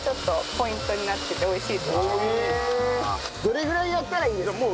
どれぐらいやったらいいんですか？